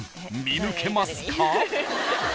見抜けますか？］